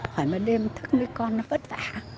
hồi một đêm thức với con nó vất vả